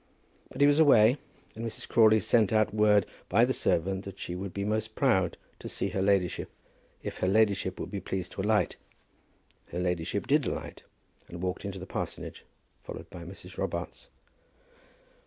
But he was away, and Mrs. Crawley sent out word by the servant that she would be most proud to see her ladyship, if her ladyship would be pleased to alight. Her ladyship did alight, and walked into the parsonage, followed by Mrs. Robarts.